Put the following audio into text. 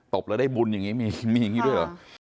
บแล้วได้บุญอย่างนี้มีอย่างนี้ด้วยเหรอ